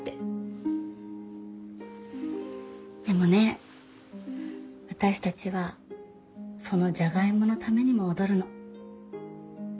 でもね私たちはそのジャガイモのためにも踊るの。